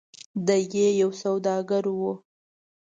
د ی یو سوداګر و.